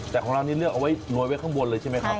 แต่ของเรานี่เลือกเอาไว้โรยไว้ข้างบนเลยใช่ไหมครับ